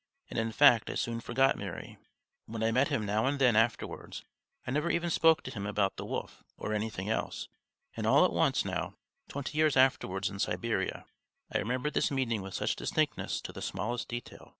And in fact I soon forgot Marey. When I met him now and then afterwards, I never even spoke to him about the wolf or anything else; and all at once now, twenty years afterwards in Siberia, I remembered this meeting with such distinctness to the smallest detail.